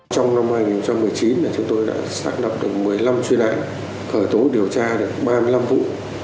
trong năm hai nghìn một mươi chín chúng tôi đã xác lập được một mươi năm chuyên án khởi tố điều tra được ba mươi năm vụ